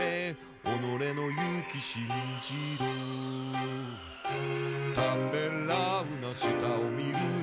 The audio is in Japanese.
「おのれの勇気信じろ」「ためらうな下を見るな」